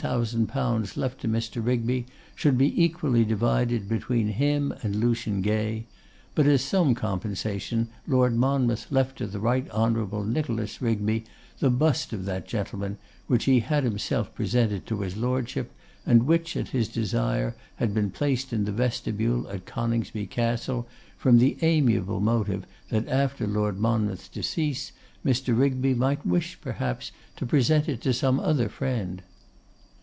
_ left to Mr. Rigby should be equally divided between him and Lucian Gay; but as some compensation Lord Monmouth left to the Right Honourable Nicholas Rigby the bust of that gentleman, which he had himself presented to his Lordship, and which, at his desire, had been placed in the vestibule at Coningsby Castle, from the amiable motive that after Lord Monmouth's decease Mr. Rigby might wish, perhaps, to present it to some other friend.